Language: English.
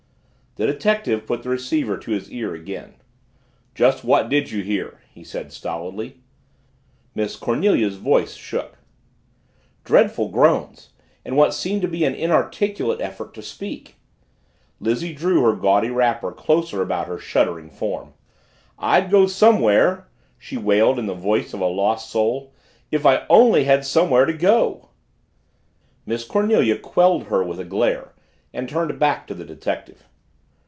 The detective put the receiver to his ear again. "Just what did you hear?" he said stolidly. Miss Cornelia's voice shook. "Dreadful groans and what seemed to be an inarticulate effort to speak!" Lizzie drew her gaudy wrapper closer about her shuddering form. "I'd go somewhere," she wailed in the voice of a lost soul, "if I only had somewhere to go!" Miss Cornelia quelled her with a glare and turned back to the detective.